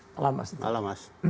selamat malam mas